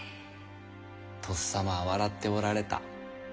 とっさまは笑っておられた。